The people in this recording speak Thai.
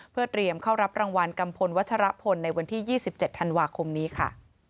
เพื่อเตรียมเข้ารับรางวัลกัมพลวัชรพลในวันที่๒๗ธันวาคมนี้ค่ะ